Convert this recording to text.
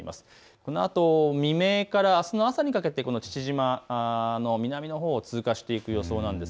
このあと未明からあすの朝にかけて父島の南のほうを通過していく予想です。